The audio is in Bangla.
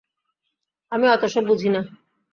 আমি অতসব বুঝি না।